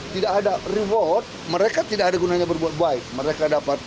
tidak ada reward mereka tidak ada gunanya berbuat baik